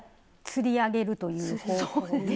つり上げるという方法で。